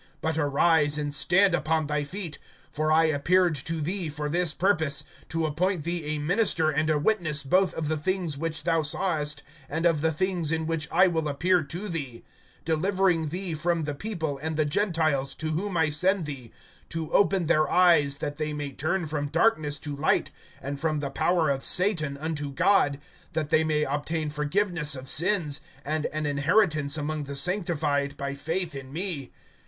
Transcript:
(16)But arise, and stand upon thy feet; for I appeared to thee for this purpose, to appoint thee a minister and a witness both of the things which thou sawest, and of the things in which I will appear to thee; (17)delivering thee from the people, and the Gentiles, to whom I send thee, (18)to open their eyes, that they may turn from darkness to light, and from the power of Satan unto God, that they may obtain forgiveness of sins, and an inheritance among the sanctified, by faith in me.